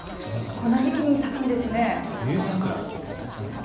この時期に咲くんですね。